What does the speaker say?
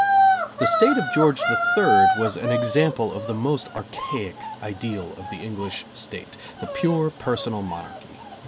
The State of George III was an example of the most archaic ideal of the English State, the pure, personal monarchy.